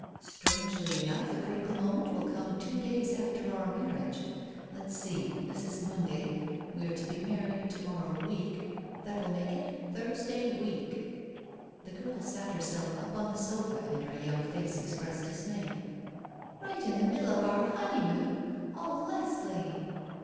"Strangely enough, the critical moment will come two days after our marriage. Let's see. This is Monday. We are to be married to morrow week. That will make it Thursday week." The girl sat herself up on the sofa, and her young face expressed dismay. "Right in the middle of our honeymoon. Oh, Leslie!"